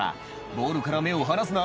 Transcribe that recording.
「ボールから目を離すな」